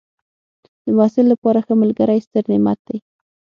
د محصل لپاره ښه ملګری ستر نعمت دی.